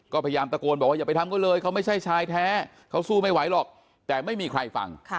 ก็พยายามตะโกนบอกว่าอย่าไปทำก็เลยเขาไม่ใช่ชายแท้เขาสู้ไม่ไหวหรอกแต่ไม่มีใครฟัง